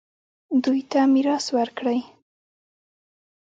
دوی ته میراث ورکړئ